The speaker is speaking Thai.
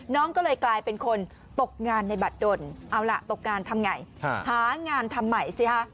น้องก็เลยกลายเป็นคนตกงานในบัตรดนเอาล่ะตกงานทำไงหางานทำใหม่สิฮะ